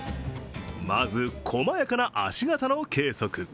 まず、細やかな足型の計測。